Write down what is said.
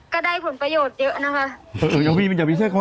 ค่ะหนูก็ดูแลตัวเอง